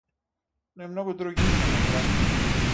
Но и многу други учења и правци.